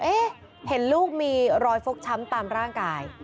เอ๊ะเห็นลูกมีรอยฟกช้ำตามร่างกาย